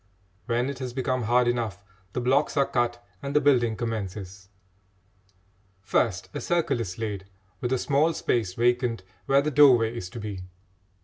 When it has become hard enough, the blocks are cut and the building commences. First a circle is laid, with a small space vacant where the doorway is to be.